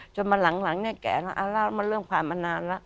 จนมาหลังแก่แล้วแล้วเรื่องความอาณาละ